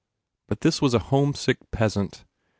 But this was a homesick peasant.